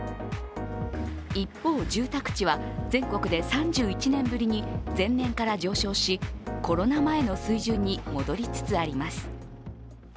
一方、住宅地は全国で３１年ぶりに前年から上昇し、コロナ前の水準に戻りつつあります。